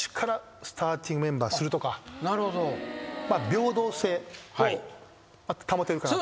平等性を保てるかなと。